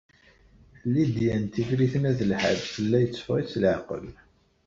Lidya n Tifrit n At Lḥaǧ yella yetteffeɣ-itt leɛqel.